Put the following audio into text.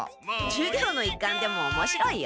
授業の一環でもおもしろいよ。